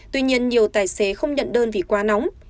tuy nhiên nhiều tài xế không nhận đơn vì quá nóng